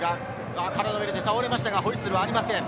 体を入れて倒れましたがホイッスルはありません。